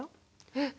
えっ！